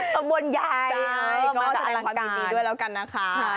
บ่าวบ่าวใหญ่มากี๊ก็ออกแสดงความมีบีด้วยแล้วกันนะคะ